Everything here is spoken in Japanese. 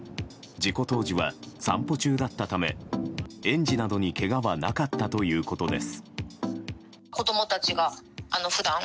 事故当時は散歩中だったため園児などにけがはなかったということです。